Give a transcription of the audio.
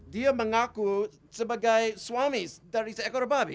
dia mengaku sebagai suami dari seekor babi